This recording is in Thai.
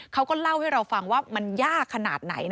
เขาก็เล่าให้เราฟังว่ามันยากขนาดไหน